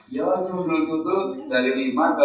ya sudah sudah dari lima ke lima tiga